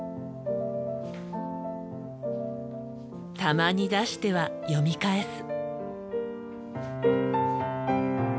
たまに出しては読み返す。